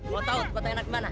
mau tahu kota enak gimana